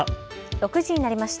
６時になりました。